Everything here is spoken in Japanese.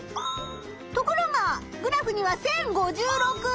ところがグラフには１，０５６！